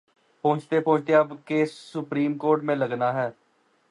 پہنچتے پہنچتے اب کیس سپریم کورٹ میں لگناہے۔